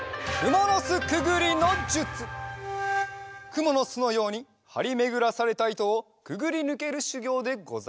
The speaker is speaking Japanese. くもの巣のようにはりめぐらされたいとをくぐりぬけるしゅぎょうでござる。